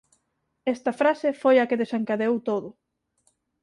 Esta frase foi a que desencadeou todo.